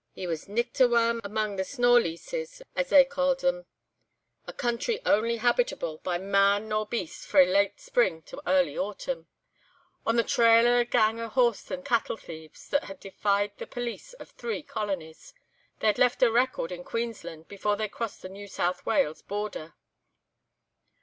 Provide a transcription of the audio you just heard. He was richt awa amang the 'snaw leases,' (as they ca'd them—a country only habitable by man or beast frae late spring to early autumn;) on the trail o' a gang o' horse and cattle thieves that had defied the police of three colonies. They had left a record in Queensland before they crossed the New South Wales border.